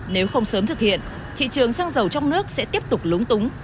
nếu không sớm thực hiện thị trường xăng dầu trong nước sẽ tiếp tục lúng túng